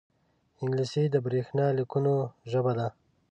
انګلیسي د برېښنا لیکونو ژبه ده